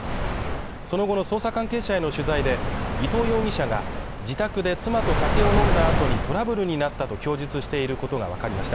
その後の捜査関係者への取材で伊藤容疑者が自宅で妻と酒を飲んだ後にトラブルになったと供述していることがわかりました。